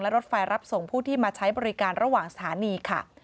และรถไฟรับส่งผู้ที่มาใช้บริการระหว่างสถานีค่ะ